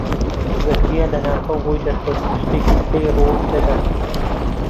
زەکەریا لەناکاو بۆی دەرکەوت کە شتێکی سەیر ڕوو دەدات.